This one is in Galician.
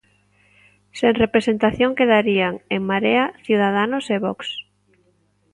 Sen representación quedarían: En Marea, Ciudadanos e Vox.